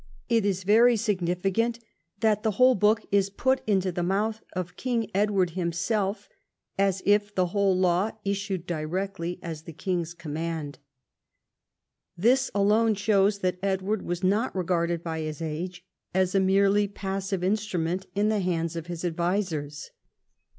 It is very significant that the whole book is put into the mouth of King Edward himself, as if the whole law issued directly as the king's command. This alone shows that Edward was not regarded by his age as a merely passive instru ment in the hands of his advisers.